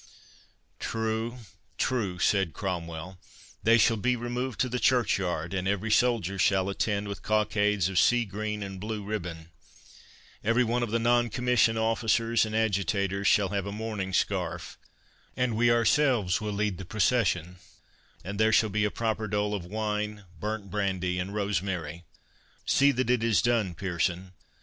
"True, true," said Cromwell, "they shall be removed to the churchyard, and every soldier shall attend with cockades of sea green and blue ribbon—Every one of the non commissioned officers and adjutators shall have a mourning scarf; we ourselves will lead the procession, and there shall be a proper dole of wine, burnt brandy, and rosemary. See that it is done, Pearson.